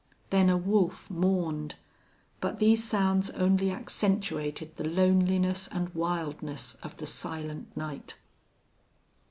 Then a wolf mourned. But these sounds only accentuated the loneliness and wildness of the silent night.